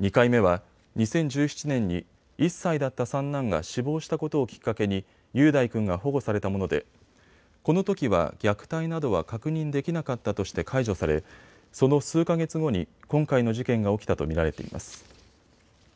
２回目は２０１７年に１歳だった三男が死亡したことをきっかけに雄大君が保護されたものでこのときは虐待などは確認できなかったとして解除されその数か月後に今回の事件が起きたと見られています。